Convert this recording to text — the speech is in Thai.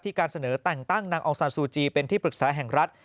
การเสนอแต่งตั้งนางองซานซูจีเป็นที่ปรึกษาแห่งรัฐ